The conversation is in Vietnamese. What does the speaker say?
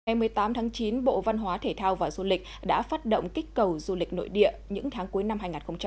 ngày một mươi tám tháng chín bộ văn hóa thể thao và du lịch đã phát động kích cầu du lịch nội địa những tháng cuối năm hai nghìn hai mươi